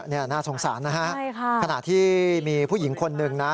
นี่น่าสงสารนะฮะขณะที่มีผู้หญิงคนหนึ่งนะ